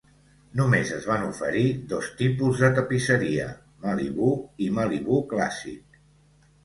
Només es van oferir dos tipus de tapisseria: Malibu i Malibu Classic.